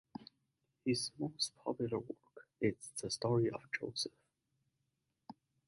His most popular work is "The Story of Joseph".